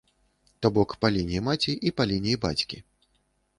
То бок па лініі маці і па лініі бацькі.